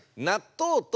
なっとう！